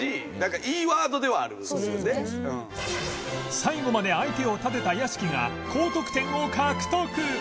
最後まで相手を立てた屋敷が高得点を獲得！